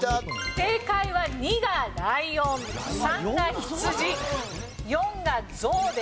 正解は２がライオン３がヒツジ４がゾウです。